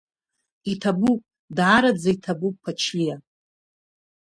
Иҭабуп, даараӡа иҭабуп Ԥачлиа!